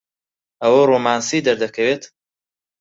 ئەوە ڕۆمانسی دەردەکەوێت؟